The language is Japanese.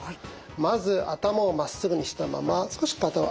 まず頭をまっすぐにしたまま少し足を開きますね。